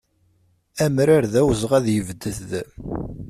Amrar d awezɣi ad yebded.